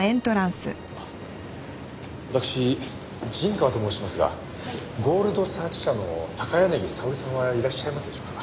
わたくし陣川と申しますがゴールド・サーチ社の高柳沙織さんはいらっしゃいますでしょうか？